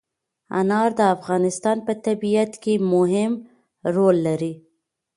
انار د افغانستان په طبیعت کې مهم رول لري.